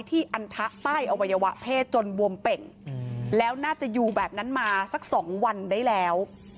อันทะใต้อวัยวะเพศจนบวมเป่งแล้วน่าจะอยู่แบบนั้นมาสัก๒วันได้แล้ว